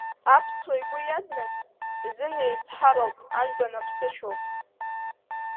Аԥсуа игәы иаднаҵ изын еизҳароуп, Анбан аԥсышәоуп.